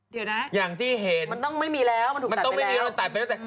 เดี๋ยวนะอย่างที่เห็นมันต้องไม่มีแล้วมันถูกมันต้องไม่มีแล้วตัดไปแล้วแต่